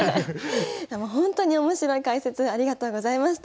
ほんとに面白い解説ありがとうございました。